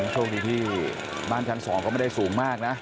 โชคดีที่บ้านชั้น๒ก็ไม่ได้สูงมากนะ